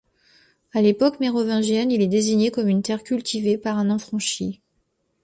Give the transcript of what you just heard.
À l'époque mérovingienne il est désigné comme une terre cultivée par un affranchi.